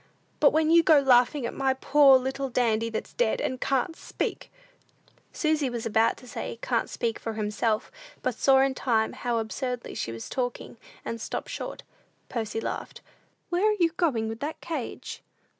But when you go to laughing at my poor little Dandy that's dead, and can't speak " Susy was about to say, "Can't speak for himself," but saw in time how absurdly she was talking, and stopped short. Percy laughed. "Where are you going with that cage?"